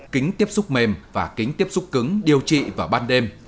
kính tiếp xúc mềm và kính tiếp xúc cứng điều trị vào ban đêm